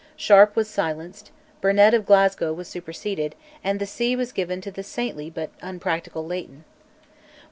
Sharp was silenced; Burnet of Glasgow was superseded, and the see was given to the saintly but unpractical Leighton.